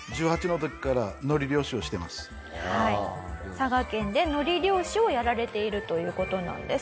佐賀県で海苔漁師をやられているという事なんです。